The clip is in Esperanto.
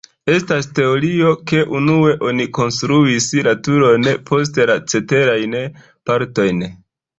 Estas teorio, ke unue oni konstruis la turon, poste la ceterajn partojn.